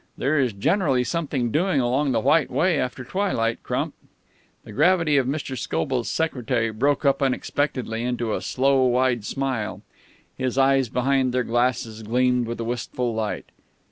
There is generally something doing along the White Way after twilight, Crump." The gravity of Mr. Scobell's secretary broke up unexpectedly into a slow, wide smile. His eyes behind their glasses gleamed with a wistful light.